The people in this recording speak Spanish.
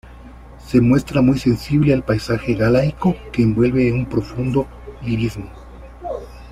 Se muestra muy sensible al paisaje galaico que envuelve en un profundo lirismo.